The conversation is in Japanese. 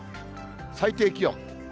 最低気温。